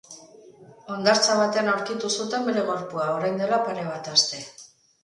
Hondartza batean aurkitu zuten bere gorpua, orain dela pare bat aste.